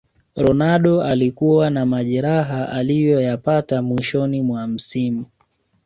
ronaldo alikuwa na majeraha aliyoyapata mwishoni mwa msimu